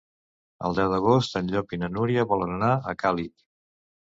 El deu d'agost en Llop i na Núria volen anar a Càlig.